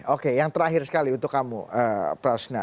oke yang terakhir sekali untuk kamu prasna